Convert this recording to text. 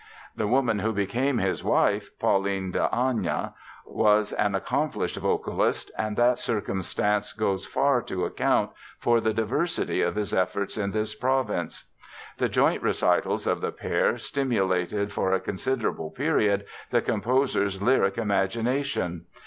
The woman who became his wife, Pauline de Ahna, was an accomplished vocalist and that circumstance goes far to account for the diversity of his efforts in this province. The joint recitals of the pair stimulated for a considerable period the composer's lyric imagination.